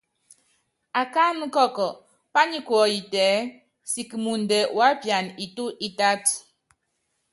Akání kɔkɔ, pányikuɔyiti ɛ́ɛ siki muundɛ wuápiana itu itátɔ́.